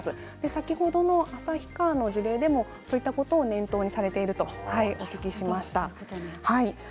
先ほどの旭川の事例でもそういったことを念頭にされているとお聞きしました。